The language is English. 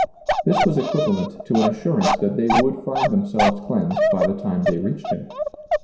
This was equivalent to an assurance that they would find themselves cleansed by the time they reached him.